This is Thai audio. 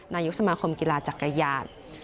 นายกสมาคมกีฬาจักรยาน